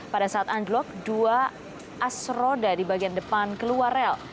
pada saat anjlok dua as roda di bagian depan keluar rel